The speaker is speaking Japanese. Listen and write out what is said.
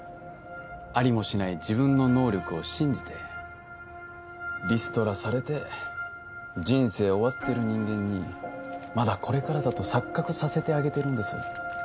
ありもしない自分の能力を信じてリストラされて人生終わってる人間にまだこれからだと錯覚させてあげてるんです